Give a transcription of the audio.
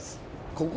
ここ？